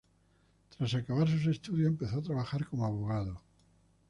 Tras acabar sus estudios empezó a trabajar como abogado.